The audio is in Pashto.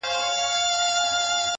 انسان حیوان دی، حیوان انسان دی.